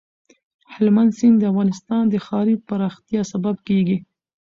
هلمند سیند د افغانستان د ښاري پراختیا سبب کېږي.